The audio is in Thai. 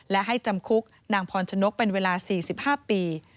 และให้จำคุกนางพรชนกเป็นเวลา๔๕ปี